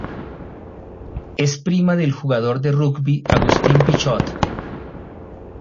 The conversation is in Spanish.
Es prima del jugador de rugby Agustín Pichot.